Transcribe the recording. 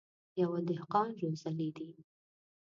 يوه دهقان روزلي دي.